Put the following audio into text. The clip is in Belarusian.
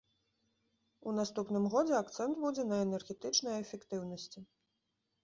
У наступным годзе акцэнт будзе на энергетычнай эфектыўнасці.